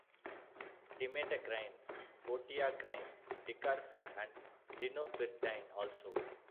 Dimetacrine, Botiacrine, Dicarfen and Linopirdine also.